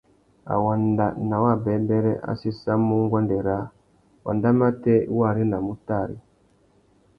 A wanda nà wabêbêrê, a séssamú nguêndê râā : wanda matê i wô arénamú tari ?